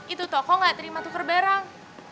itu toko gak terima tukar barang